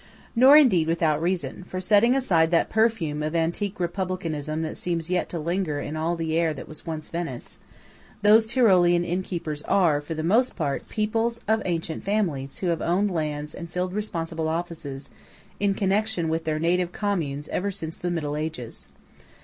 Nor, indeed, without reason; for setting aside that perfume of antique Republicanism that seems yet to linger in the air of all that was once Venice, those Tyrolean innkeepers are, for the most part, people of ancient family who have owned lands and filled responsible offices in connection with their native communes ever since the middle ages.